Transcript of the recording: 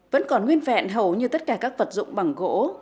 vẫn còn nguyên vẹn hầu như tất cả các vật dụng bằng gỗ